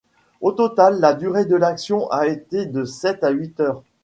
Au total la durée de l'action a été de sept ou huit heures.